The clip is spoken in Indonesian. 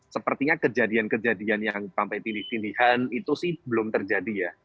sepertinya kejadian kejadian yang sampai tindih tindihan itu sih belum terjadi ya